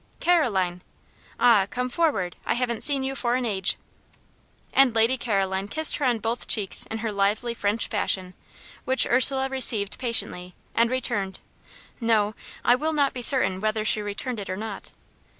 "Caroline!" "Ah! come forward. I haven't seen you for an age." And Lady Caroline kissed her on both cheeks in her lively French fashion, which Ursula received patiently, and returned no, I will not be certain whether she returned it or not.